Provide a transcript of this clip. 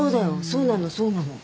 そうなのそうなの。